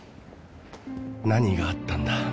何があったんだ？